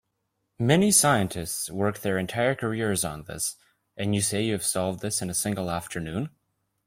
Many scientists work their entire careers on this, and you say you have solved this in a single afternoon?